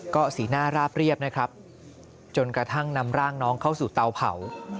ก็สีหน้าราบเรียบนะครับจนกระทั่งนำร่างน้องเข้าสู่เตาเผา